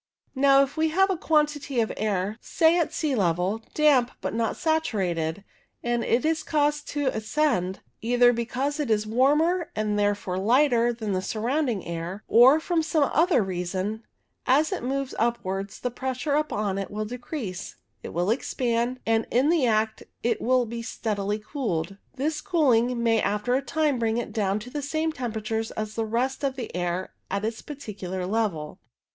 Now, if we have a quantity of air, say at sea level, damp but not saturated, and it is caused to ascend, either because it is warmer and therefore lighter than the surrounding air, or for some other reason, as it moves upwards the pressure upon it CLOUD FORMATION 93 will decrease, it will expand, and in the act it will be steadily cooled. This cooling may after a time bring it down to the same temperature as the rest of the air at its particular level.